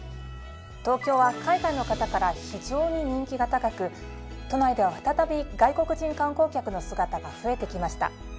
東京は海外の方から非常に人気が高く都内では再び外国人観光客の姿が増えてきました。